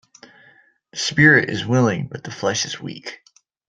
The spirit is willing but the flesh is weak.